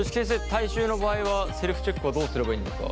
体臭の場合はセルフチェックはどうすればいいんですか？